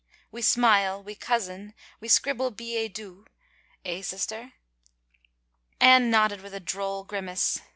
"We smile, we cozen, we scribble billet doux — eh, sis ter?" Anne nodded with a droll grimace.